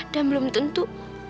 dan belum tentu